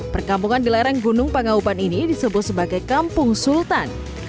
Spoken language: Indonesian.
perkampungan di lereng gunung pangaupan ini disebut sebagai kampung sultan